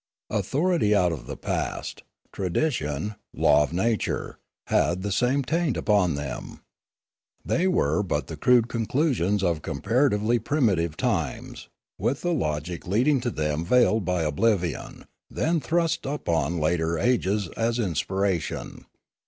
Authority out of the past, tradition, law of nature, had the same taint upon them. They were but the crude conclusions of comparatively primitive times, with the logic leading to them veiled by oblivion, then thrust upon later ages as inspiration.